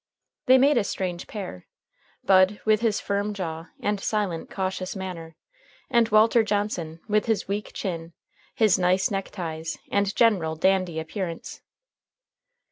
They made a strange pair Bud with his firm jaw and silent, cautious manner, and Walter Johnson with his weak chin, his nice neck ties, and general dandy appearance.